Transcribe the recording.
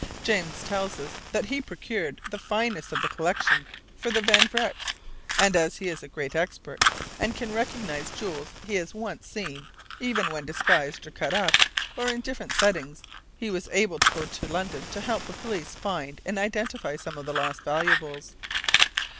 James tells us that he procured the finest of the collection for the Van Vrecks, and as he is a great expert, and can recognize jewels he has once seen, even when disguised or cut up, or in different settings, he was asked to go to London to help the police find and identify some of the lost valuables.